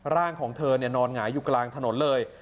ร่างของเธอนอนหงายอยู่กลางถนนเลย